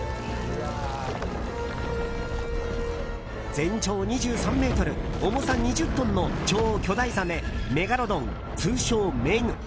全長２３ｍ、重さ２０トンの超巨大ザメ、メガロドン通称メグ。